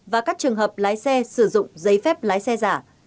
và các trường hợp lái xe sử dụng giấy phép lái xe giả